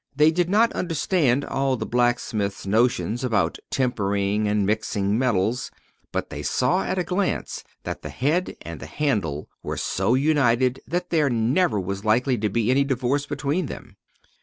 They did not understand all the blacksmith's notions about tempering and mixing the metals, but they saw at a glance that the head and the handle were so united that there never was likely to be any divorce between them.